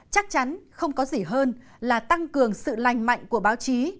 chắc chắn không có gì hơn là tăng cường sự lành mạnh của báo chí